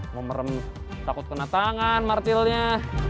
ngomerem takut kena tangan martilnya